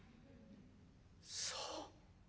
「そう。